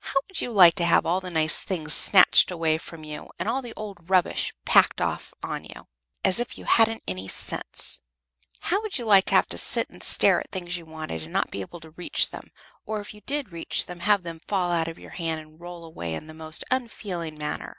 How would you like to have all the nice things snatched away from you, and all the old rubbish packed off on you, as if you hadn't any sense? How would you like to have to sit and stare at things you wanted, and not to be able to reach them, or, if you did reach them, have them fall out of your hand, and roll away in the most unfeeling manner?